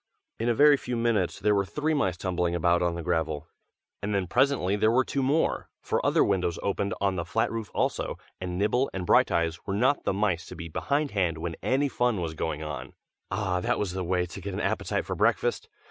In a very few minutes there were three mice tumbling about on the gravel, and then presently there were two more, for other windows opened on the flat roof also, and Nibble and Brighteyes were not the mice to be behindhand when any fun was going on. Ah! that was the way to get an appetite for breakfast.